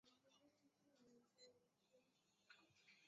尖草坪区是中国山西省太原市所辖的一个市辖区。